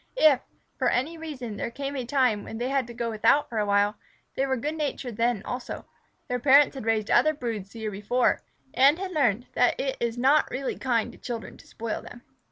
If, for any reason there came a time when they had to go without for a while, they were good natured then also. Their parents had raised other broods the year before, and had learned that it is not really kind to children to spoil them.